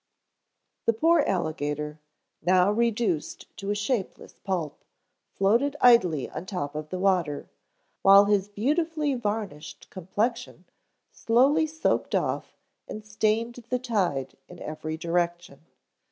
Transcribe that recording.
The poor alligator, now reduced to a shapeless pulp, floated idly on top of the water, while his beautifully varnished complexion slowly soaked off and stained the tide in every direction.